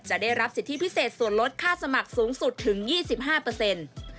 ได้รับสิทธิพิเศษส่วนลดค่าสมัครสูงสุดถึง๒๕เปอร์เซ็นต์